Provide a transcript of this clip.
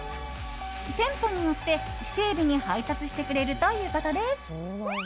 店舗によって、指定日に配達してくれるということです。